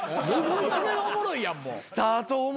それがおもろいやんもう。